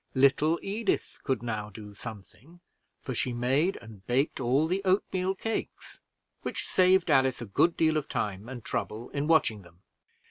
Little Edith could now do something, for she made and baked all the oatmeal cakes, which saved Alice a good deal of time and trouble in watching them.